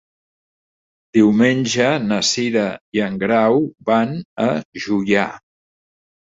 Diumenge na Cira i en Grau van a Juià.